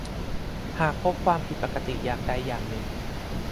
หากพบความผิดปกติอย่างใดอย่างหนึ่ง